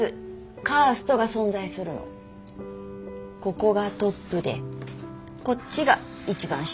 ここがトップでこっちが一番下。